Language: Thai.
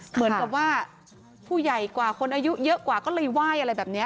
เหมือนกับว่าผู้ใหญ่กว่าคนอายุเยอะกว่าก็เลยไหว้อะไรแบบนี้